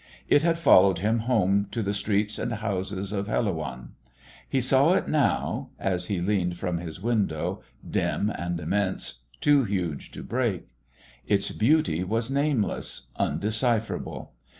It had followed him home to the streets and houses of Helouan. He saw it now, as he leaned from his window, dim and immense, too huge to break. Its beauty was nameless, undecipherable.